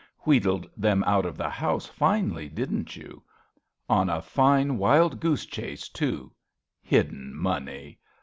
Wheedled them out of the house finely, didn't you? On a fine wildgoose chase, too. Hidden money